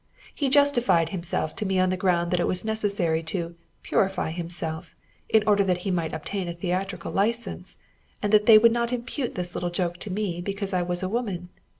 He justified himself to me on the ground that it was necessary to 'purify himself,' in order that he might obtain a theatrical licence, and that they would not impute this little joke to me because I was a woman.